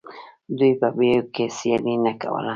دوی په بیو کې سیالي نه کوله